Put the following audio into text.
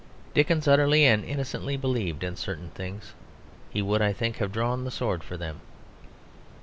Dickens utterly and innocently believed in certain things; he would, I think, have drawn the sword for them.